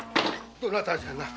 どなたじゃな？